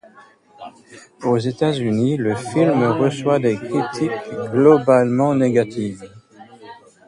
Aux États-Unis, le film reçoit des critiques globalement négatives.